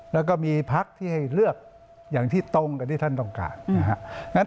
แล้วก็มีพักที่ให้เลือกอย่างที่ตรงกับที่ท่านต้องการนะครับ